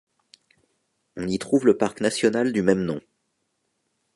On y trouve le parc national du même nom.